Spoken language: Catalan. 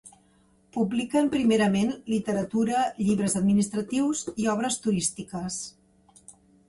Publiquen primerament literatura, llibres administratius i obres turístiques.